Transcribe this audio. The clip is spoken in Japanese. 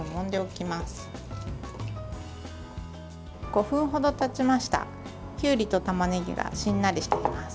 きゅうりとたまねぎがしんなりしてきます。